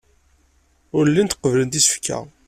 Ur llint qebblent isefka.